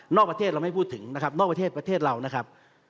ประเทศเราไม่พูดถึงนะครับนอกประเทศประเทศเรานะครับ